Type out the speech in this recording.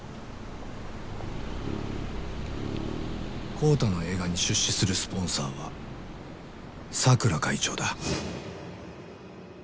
「昂太の映画に出資するスポンサーは佐倉会長だ」。